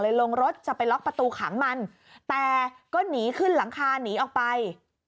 ลงรถจะไปล็อกประตูขังมันแต่ก็หนีขึ้นหลังคาหนีออกไป